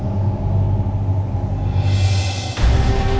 saya akan keluar